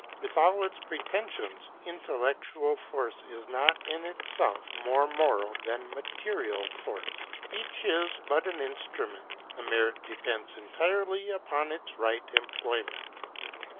With all its pretensions, intellectual force is not in itself more moral than material force. Each is but an instrument; the merit depends entirely upon its right employment.